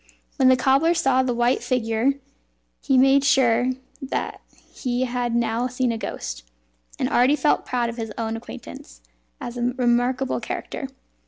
When the cobbler saw the white figure, he made sure, that he had now seen a ghost, and already felt proud of his own acquaintance, as a remarkable character.